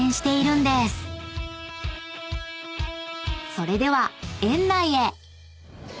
［それでは園内へ］